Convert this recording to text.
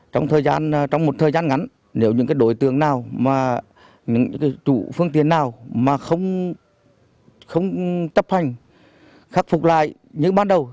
trong một thời gian ngắn nếu những đối tượng nào những chủ phương tiện nào mà không tập hành khắc phục lại như ban đầu